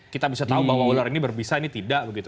kita bisa tahu bahwa ular ini berbisa ini tidak begitu